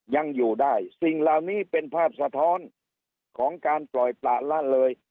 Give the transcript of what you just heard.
ยังอยู่ได้สิ่งเหล่านี้เป็นภาพสะท้อนของการปล่อยประละเลย